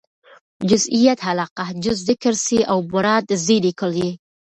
جزئيت علاقه؛ جز ذکر سي او مراد ځني کُل يي.